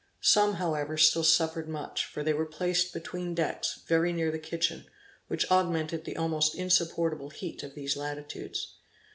Some, however, still suffered much, for they were placed between decks, very near the kitchen, which augmented the almost insupportable heat of these latitudes.